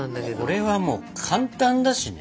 これはもう簡単だしね。